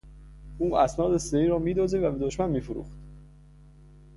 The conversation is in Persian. او اسناد سری را میدزدید و به دشمن میفروخت.